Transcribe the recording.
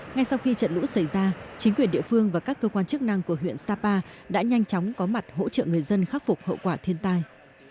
ngay sau khi trận lũ xảy ra chính quyền địa phương và các cơ quan chức năng của huyện sapa đã nhanh chóng có mặt hỗ trợ người dân khắc phục hậu quả thiên tai